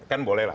kan boleh lah